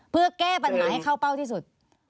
เพื่อแก้ปัญหาให้เข้าเป้าที่สุด